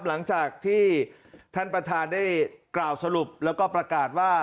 หลังจากที่ท่านประธานได้กล่าวสรุปแล้วก็ประกาศว่า